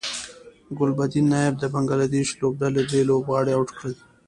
ګلبدین نایب د بنګلادیش لوبډلې درې لوبغاړي اوټ کړل